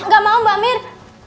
gak mau mbak mir